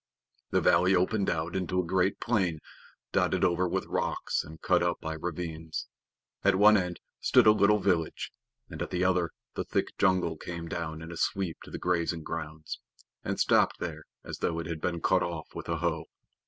The valley opened out into a great plain dotted over with rocks and cut up by ravines. At one end stood a little village, and at the other the thick jungle came down in a sweep to the grazing grounds, and stopped there as though it had been cut off with a hoe.